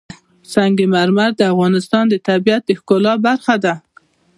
سنگ مرمر د افغانستان د طبیعت د ښکلا برخه ده.